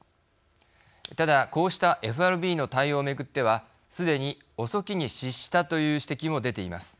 ただ、こうしたＦＲＢの対応をめぐってはすでに遅きに失したという指摘も出ています。